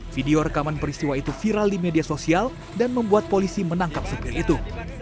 video rekaman peristiwa itu viral di media sosial dan membuat polisi menangkap supir itu